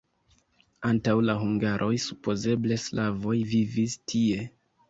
Antaŭ la hungaroj supozeble slavoj vivis tie.